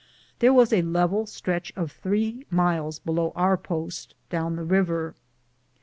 There was a level stretch of three miles below our post down the river.